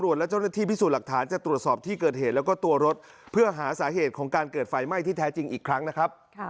โหโชคดีนะคะไม่เกิดการศูนย์เสียขึ้นนะคะ